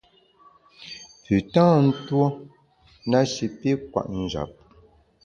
Pü tâ ntuo na shi pi kwet njap.